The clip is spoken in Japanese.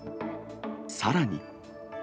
さらに。